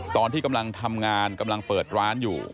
ตอนที่กำลังทำงานกำลังเปิดร้านอยู่